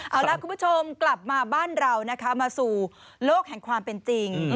เอาล่ะคุณผู้ชมกลับมาบ้านเรานะคะมาสู่โลกแห่งความเป็นจริง